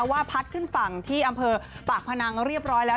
ว่าพัดขึ้นฝั่งที่อำเภอปากพนังเรียบร้อยแล้ว